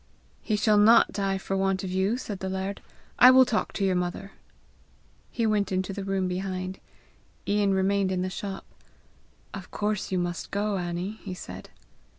"He shall not die for want of you!" said the laird. "I will talk to your mother." He went into the room behind. Ian remained in the shop. "Of course you must go, Annie!" he said.